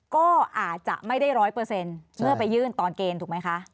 ก็อาจจะไม่ได้๑๐๐เมื่อไปยื่นตอนเกณฑ์ถูกไหมคะ